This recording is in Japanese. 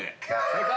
◆正解！